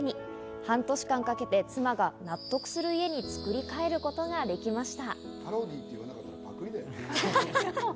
半年間かけて妻が納得する家に作り変えることができました。